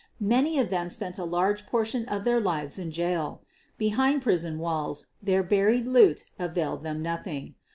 Many of them spent a large portion of their lives in jail. Behind prison walls, their buried loot availed them nothing.